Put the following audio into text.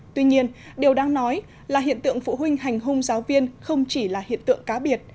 tuy nhiên điều đáng nói là hiện tượng phụ huynh hành hung giáo viên không chỉ là hiện tượng cá biệt